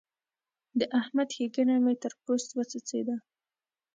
د احمد ښېګڼه مې تر پوست وڅڅېده.